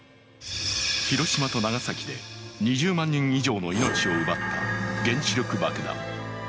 広島と長崎で２０万人以上の命を奪った原子力爆弾。